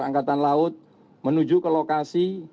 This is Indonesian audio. angkatan laut menuju ke lokasi